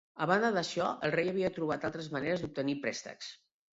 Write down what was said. A banda d'això, el rei havia trobat altres maneres d'obtenir préstecs.